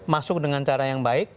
masuk dengan cara yang baik